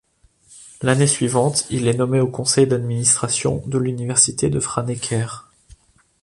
L'année suivante, il est nommé au conseil d'administration de l'université de Franeker.